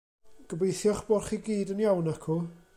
Gobeithio'ch bod chi gyd yn iawn acw.